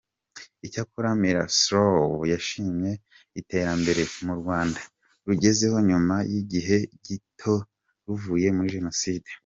Icyakora Miroslav yashimye iterambere u Rwanda rugezeho nyuma y’igihe gito ruvuye muri Jenoside.